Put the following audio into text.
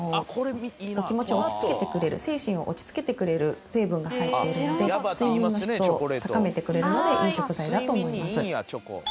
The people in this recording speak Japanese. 気持ちを落ち着けてくれる精神を落ち着けてくれる成分が入っているので睡眠の質を高めてくれるのでいい食材だと思います。